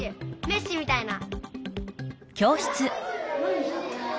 メッシみたいな。